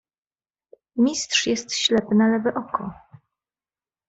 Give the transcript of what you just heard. "Mistrz jest ślepy na lewe oko."